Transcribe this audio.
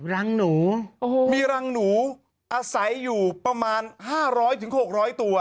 รังหนูโอ้โหมีรังหนูอาศัยอยู่ประมาณห้าร้อยถึงหกร้อยตัว